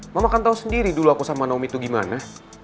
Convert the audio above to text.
mama kan tau sendiri dulu aku sama naomi tuh gimana